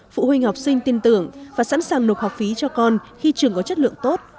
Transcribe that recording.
phụ huynh học sinh tin tưởng và sẵn sàng nộp học phí cho con khi trường có chất lượng tốt